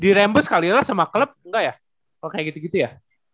di rembus kali lah sama klub gak ya kalau kayak gitu gitu ya